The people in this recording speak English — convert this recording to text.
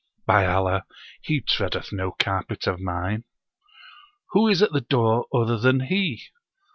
By Allah! he treadeth no carpet of mine. Who is at the door other than he?"